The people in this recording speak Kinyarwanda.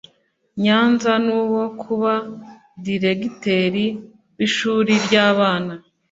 Nyanza n uwo kuba diregiteri w ishuri ry abana